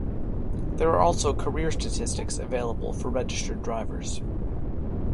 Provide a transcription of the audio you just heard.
There are also career statistics available for registered drivers.